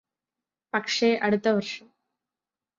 പക്ഷേ അടുത്ത വര്ഷം